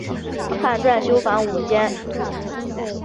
汉纂修房五间。